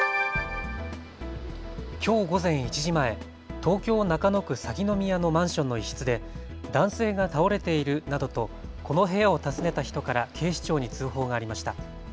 きょう午前１時前、東京中野区鷺宮のマンションの一室で男性が倒れているなどとこの部屋を訪ねた人から警視庁に通報がありました。